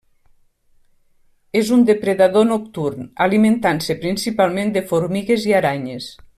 És un depredador nocturn, alimentant-se principalment de formigues i aranyes.